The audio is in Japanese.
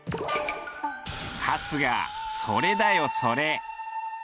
春日それだよそれ。